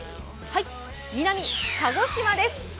南、鹿児島です。